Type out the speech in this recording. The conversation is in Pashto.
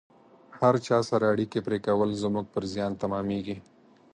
هر چا سره اړیکې پرې کول زموږ پر زیان تمامیږي